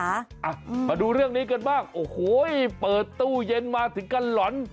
อ่ะมาดูเรื่องนี้กันบ้างโอ้โหเปิดตู้เย็นมาถึงก็หล่อน